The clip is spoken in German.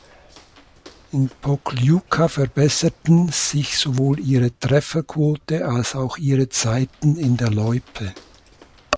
In Pokljuka verbesserten sich sowohl ihre Trefferquote als auch ihre Zeiten in der Loipe.